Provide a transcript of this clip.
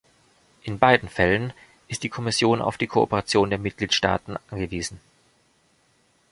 In beiden Fällen ist die Kommission auf die Kooperation der Mitgliedstaaten angewiesen.